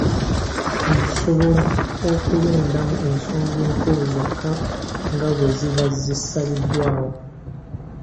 Nsobola okulondamu ensonga enkulu zokka nga bwe ziba zisaliddwawo.